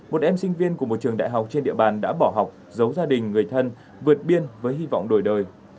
một em sinh viên của một trường đại học trên địa bàn đã bỏ học giấu gia đình người thân vượt biên với hy vọng đổi đời